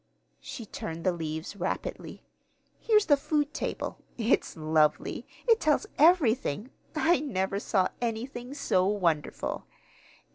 She turned the leaves rapidly. "Here's the food table. It's lovely. It tells everything. I never saw anything so wonderful.